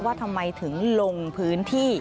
ว่าทำไมถึงลงพื้นที่